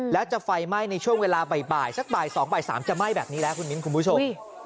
แล้วจะไฟไหม้ในช่วงเวลาบ่ายสักบ่าย๒บ่าย๓จะไหม้แบบนี้แล้วคุณมิ้นคุณผู้ชม